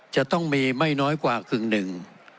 จะต้องมีไม่น้อยกว่าครึ่งหนึ่ง